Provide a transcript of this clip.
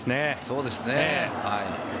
そうですね。